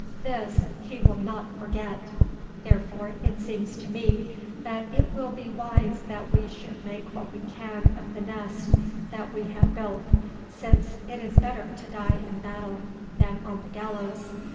This he will not forget. Therefore it seems to me that it will be wise that we should make what we can of the nest that we have built, since it is better to die in battle than on the gallows.